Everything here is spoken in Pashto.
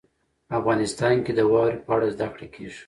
افغانستان کې د واوره په اړه زده کړه کېږي.